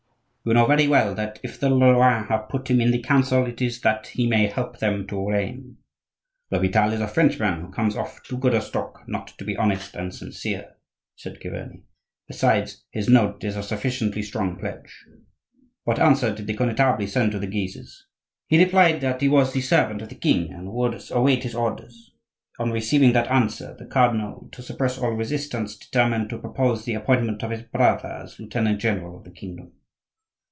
"You know very well that if the Lorrains have put him in the council it is that he may help them to reign." "L'Hopital is a Frenchman who comes of too good a stock not to be honest and sincere," said Chiverni; "Besides, his note is a sufficiently strong pledge." "What answer did the Connetable send to the Guises?" "He replied that he was the servant of the king and would await his orders. On receiving that answer the cardinal, to suppress all resistance, determined to propose the appointment of his brother as lieutenant general of the kingdom."